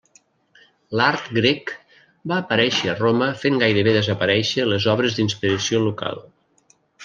L'art grec va aparéixer a Roma fent gairebé desaparéixer les obres d'inspiració local.